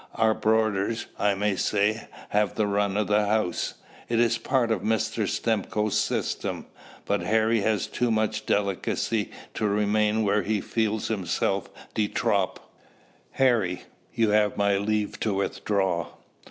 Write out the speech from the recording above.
Our boarders, I may say, have the run of the house it is part of Mr. Stimcoe's system. But Harry has too much delicacy to remain where he feels himself de trop. Harry, you have my leave to withdraw."